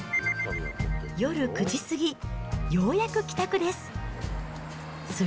夜９時過ぎ、ようやく帰宅です。